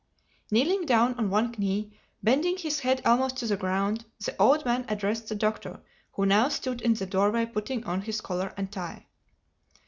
Kneeling down on one knee, bending his head almost to the ground, the old man addressed the Doctor who now stood in the doorway putting on his collar and tie.